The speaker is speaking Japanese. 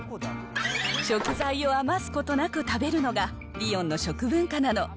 食材を余すことなく食べるのが、リヨンの食文化なの。